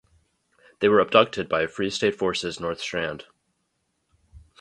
They were abducted by Free State forces North Strand.